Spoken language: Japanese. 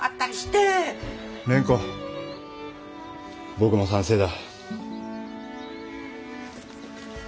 僕も賛成だ。